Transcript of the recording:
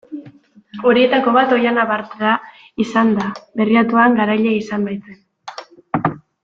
Horietako bat Oihana Bartra izango da, Berriatuan garaile izan baitzen.